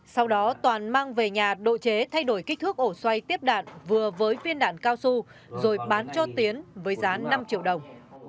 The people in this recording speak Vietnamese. sau đó toàn mang về nhà độ chế thay đổi kích thước ổ xoay tiếp đạn vừa với viên đạn cao su rồi bán cho tiến với giá năm triệu đồng